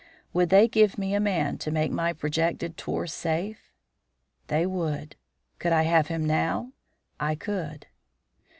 Would they give me a man to make my projected tour safe? They would. Could I have him now? I could.